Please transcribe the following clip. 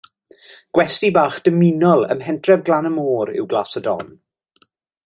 Gwesty bach dymunol ym mhentref Glan-y-môr yw Glas y Don